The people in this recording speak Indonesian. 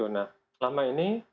nah selama ini